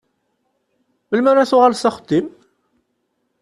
Melmi ara d-tuɣaleḍ s axeddim?